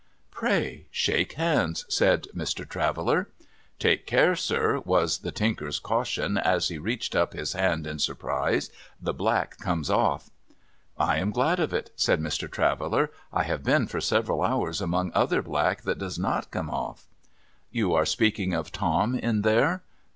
' Pray shake hands,' said Mr. Traveller. 'Take care, sir,' was the Tinker's caution, as he reached up his hand in surprise ;' the black comes ofl:V ' I am glad of it,' said Mr. Traveller. ' I have been for several hours among other black that does not come off.' ' You are speaking of Tom in there